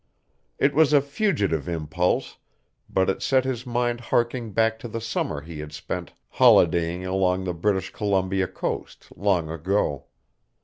It was a fugitive impulse, but it set his mind harking back to the summer he had spent holidaying along the British Columbia coast long ago.